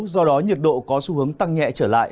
do đó nhiệt độ có xu hướng tăng nhẹ trở lại